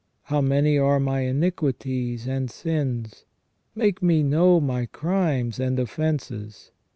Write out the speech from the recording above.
How many are my iniquities and sins? Make me know my crimes and offences.